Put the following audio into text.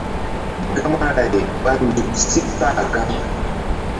Gamaray ɓa nzuk sí kpah gaŋ.